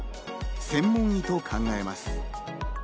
専門医と考えます。